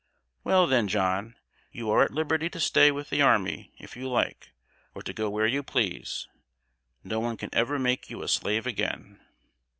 "Well, then, John, you are at liberty to stay with the army, if you like, or to go where you please. No one can ever make you a slave again."